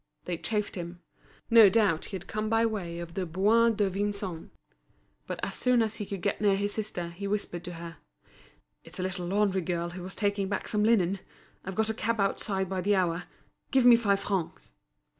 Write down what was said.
They chaffed him. No doubt he had come by way of the Bois de Vincennes. But as soon as he could get near his sister, he whispered to her: "It's a little laundry girl who was taking back some linen. I've got a cab outside by the hour. Give me five francs."